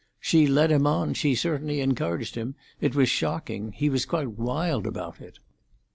"She led him on; she certainly encouraged him. It was shocking. He was quite wild about it."